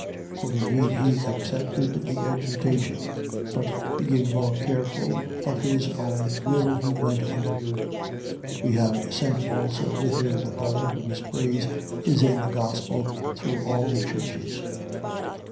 8:17. For indeed he accepted the exhortation: but, being more careful, of his own will he went unto you. 8:18. We have sent also with him the brother whose praise is in the gospel through all the churches.